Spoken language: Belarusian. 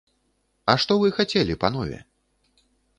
А што вы хацелі, панове?